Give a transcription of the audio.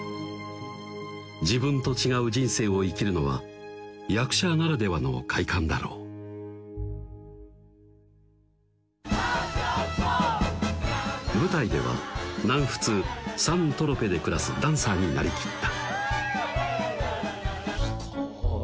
自分と違う人生を生きるのは役者ならではの快感だろう舞台では南仏・サントロペで暮らすダンサーになりきった